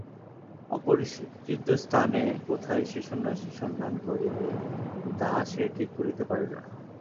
অপরিচিত স্থানে কোথায় যে সন্ন্যাসীর সন্ধান করিতে যাইবে তাহা সে ঠিক করিতে পারিল না।